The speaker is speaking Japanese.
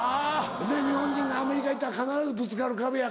日本人がアメリカ行ったら必ずぶつかる壁やからな。